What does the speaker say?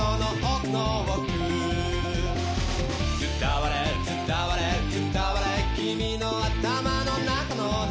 「伝われ伝われ伝われ君の頭の中の中」